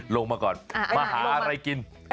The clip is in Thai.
ลงมาก่อนมาหาอะไรกิน